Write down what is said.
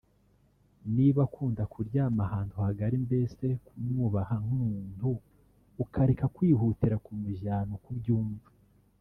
niba akunda kuryama ahantu hagari mbese kumwubaha nk’umuntu ukareka kwihutira kumujyana uko ubyumva